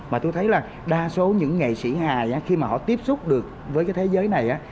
mà tôi thấy là đa số những nghệ sĩ hà khi mà họ tiếp xúc được với cái thế giới này á